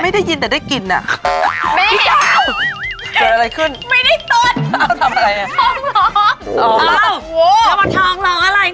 ได้ยินแต่ได้กลิ่นอ่ะ